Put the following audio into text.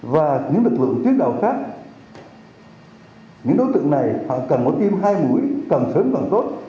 và những lực lượng tiến đạo khác những đối tượng này họ cần mỗi tiêm hai mũi cần sớm càng tốt